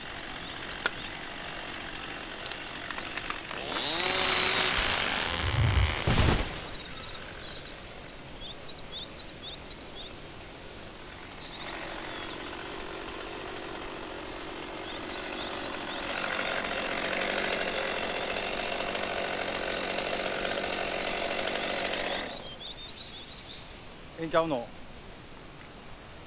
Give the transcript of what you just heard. ええんちゃうの。